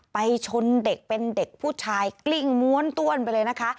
ไปชนเด็กเป็นเด็กผู้ชายกลิ้งม้วนต้วนไปเลยนะคะ